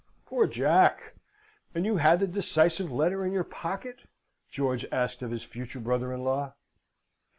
"Poor Jack! And you had the decisive letter in your pocket?" George asked of his future brother in law.